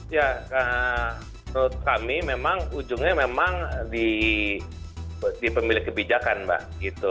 ya menurut kami memang ujungnya memang di pemilik kebijakan mbak gitu